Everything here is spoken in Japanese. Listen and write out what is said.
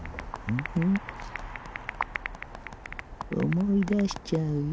思い出しちゃうよ。